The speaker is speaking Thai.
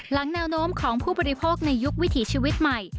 แนวโน้มของผู้บริโภคในยุควิถีชีวิตใหม่